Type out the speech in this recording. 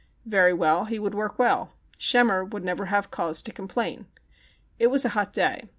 Very well, he would work well. Schemmer would never have cause to complain. It was a hot day.